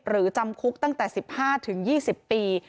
หรือจำคุกตั้งแต่๑๕ถึง๒๐ปี